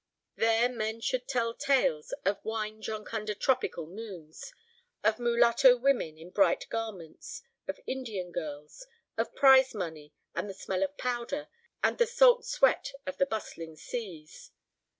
There men should tell tales of wine drunk under tropical moons, of mulatto women in bright garments, of Indian girls, of prize money and the smell of powder, and the salt sweat of the bustling seas.